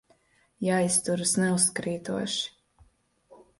Jāizturas neuzkrītoši.